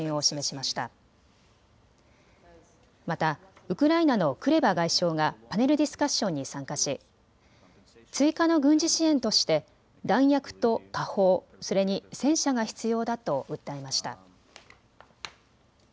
またウクライナのクレバ外相がパネルディスカッションに参加し追加の軍事支援として弾薬と火砲、それに戦車が必要だと訴えました。